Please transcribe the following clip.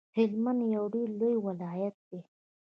هلمند یو ډیر لوی ولایت دی